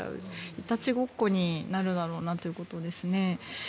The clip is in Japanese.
いたちごっこになるだろうなということですね。